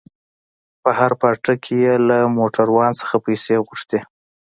په هر پاټک کښې يې له موټروان څخه پيسې غوښتې.